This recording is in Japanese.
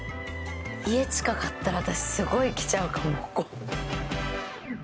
家近かったら、私すごい来ちゃうかも、ここ。